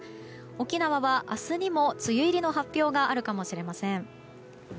沖縄は明日にも梅雨入りの発表があるかもしれません。